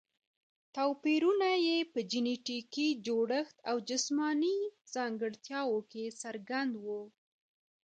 توپیرونه یې په جینټیکي جوړښت او جسماني ځانګړتیاوو کې څرګند وو.